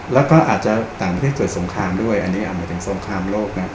แล้วก็อาจจะต่างที่เกิดสงครามด้วยอันนี้อันนี้เป็นสงครามโลกน่ะ